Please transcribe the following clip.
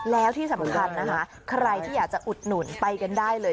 แล้วที่สำคัญนะคะใครที่อยากจะอุดหนุนไปกันได้เลย